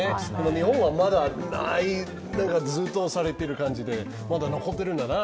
日本はまだずっと推されてる感じで残ってるんだな。